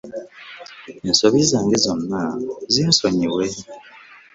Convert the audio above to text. Ensobi zange zonna zinsonyiwe.